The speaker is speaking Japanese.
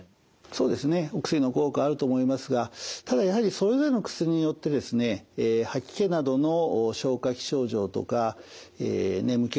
そうですねお薬の効果あると思いますがただやはりそれぞれの薬によってですね注意して使っていただいております。